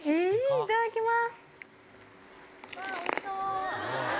いただきます。